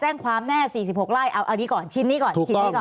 แจ้งความแน่๔๖ไร่เอานี้ก่อนชิ้นนี้ก่อนชิ้นนี้ก่อน